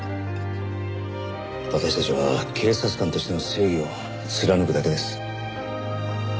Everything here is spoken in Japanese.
私たちは警察官としての正義を貫くだけです。